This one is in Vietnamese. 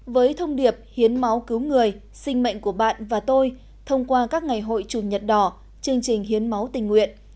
với thông điệp hiến máu cứu người sinh mệnh của bạn và tôi thông qua các ngày hội chủ nhật đỏ chương trình hiến máu tình nguyện